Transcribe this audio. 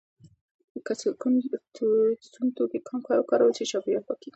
که د سون توکي کم وکارول شي، چاپیریال پاکېږي.